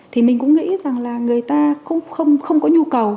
thì mình cũng nghĩ rằng là người ta cũng không có nhu cầu